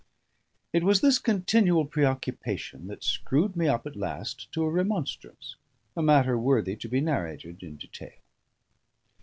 It was this continual preoccupation that screwed me up at last to a remonstrance: a matter worthy to be narrated in detail.